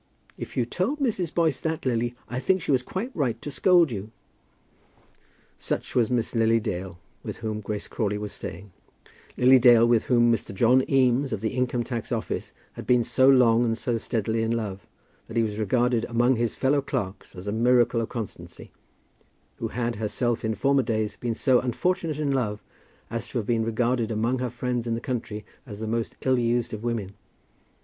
"If you told Mrs. Boyce that, Lily, I think she was quite right to scold you." Such was Miss Lily Dale, with whom Grace Crawley was staying; Lily Dale with whom Mr. John Eames, of the Income tax Office, had been so long and so steadily in love, that he was regarded among his fellow clerks as a miracle of constancy, who had, herself, in former days been so unfortunate in love as to have been regarded among her friends in the country as the most ill used of women.